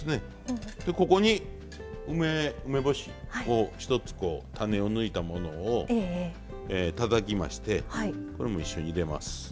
ここに梅梅干しを１つ種を抜いたものをたたきましてこれも一緒に入れます。